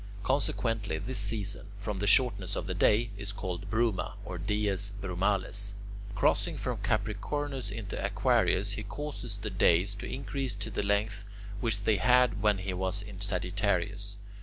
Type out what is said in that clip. Consequently, this season, from the shortness of the day, is called bruma or dies brumales. Crossing from Capricornus into Aquarius, he causes the days to increase to the length which they had when he was in Sagittarius.